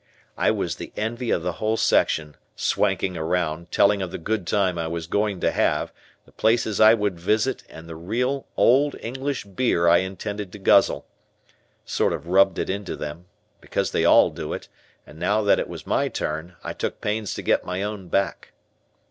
I was the envy of the whole section, swanking around, telling of the good time I was going to have, the places I would visit, and the real, old English beer I intended to guzzle. Sort of rubbed it into them, because they all do it, and now that it was my turn, I took pains to get my own back.